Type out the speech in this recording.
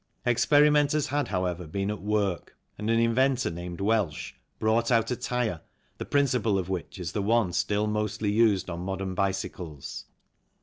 Experimenters had, however, been at work and an inventor named Welch brought out a tyre the principle of which is the one still mostly used on modern bicycles.